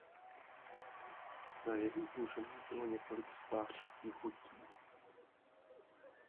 Na jejím území bylo několik sklářských hutí.